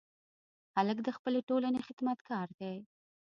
هلک د خپلې ټولنې خدمتګار دی.